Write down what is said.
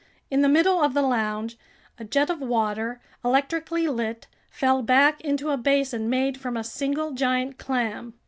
In the middle of the lounge, a jet of water, electrically lit, fell back into a basin made from a single giant clam.